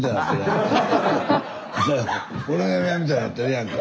俺の嫁はんみたいになってるやんか。